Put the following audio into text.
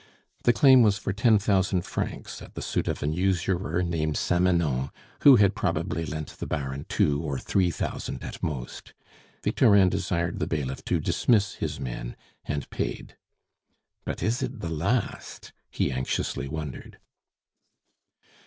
The claim was for ten thousand francs at the suit of an usurer named Samanon, who had probably lent the Baron two or three thousand at most. Victorin desired the bailiff to dismiss his men, and paid. "But is it the last?" he anxiously wondered.